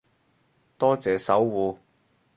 多謝守護